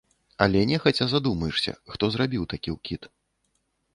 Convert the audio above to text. Але нехаця задумаешся, хто зрабіў такі ўкід.